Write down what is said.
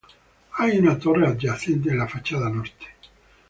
Hay una torre adyacente en la fachada norte.